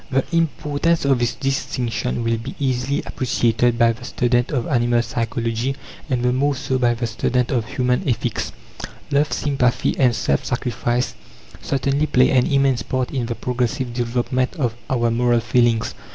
The importance of this distinction will be easily appreciated by the student of animal psychology, and the more so by the student of human ethics. Love, sympathy and self sacrifice certainly play an immense part in the progressive development of our moral feelings.